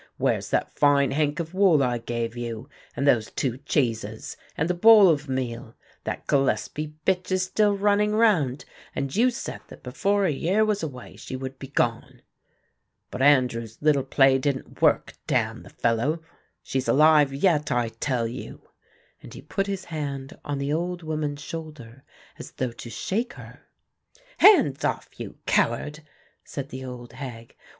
Where's that fine hank of wool I gave you, and those two cheeses and the boll of meal? That Gillespie bitch is still running round; and you said that before a year was away she would be gone. But Andrew's little play didn't work, damn the fellow. She's alive yet, I tell you," and he put his hand on the old woman's shoulder as though to shake her. "Hands off, you coward," said the old hag.